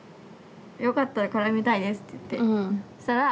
「よかったら絡みたいです」って言ってそ